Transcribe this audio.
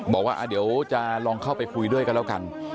บอกว่าเดี๋ยวจะลองเข้าไปคุยด้วยกันแล้วกัน